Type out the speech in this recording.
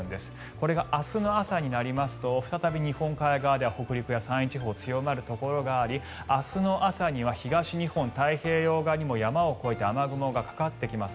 これが明日の朝になりますと再び日本海側では北陸や山陰地方強まるところがあり明日の朝には東日本太平洋側にも山を越えて雨雲がかかってきます。